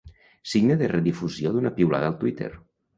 Signe de redifusió d'una piulada al Twitter.